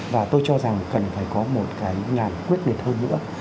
và tôi cho rằng cần phải có một cái làm quyết liệt hơn nữa